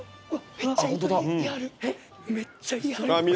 めっちゃ人いはる。